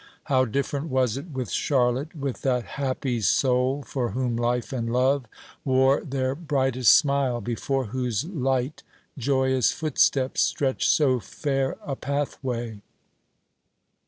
How different was it with Charlotte with that happy soul for whom life and love wore their brightest smile, before whose light joyous footsteps stretched so fair a pathway!